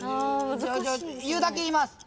言うだけ言います。